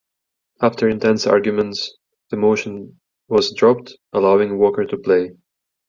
After intense arguments, the motion was dropped, allowing Walker to play.